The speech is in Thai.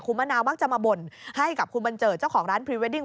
มะนาวมักจะมาบ่นให้กับคุณบันเจิดเจ้าของร้านพรีเวดดิ้ง